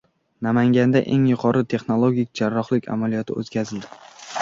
Namanganda eng yuqori texnologik jarrohlik amaliyoti o‘tkazildi